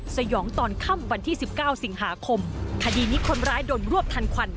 สยองตอนค่ำวันที่๑๙สิงหาคมคดีนี้คนร้ายโดนรวบทันควัน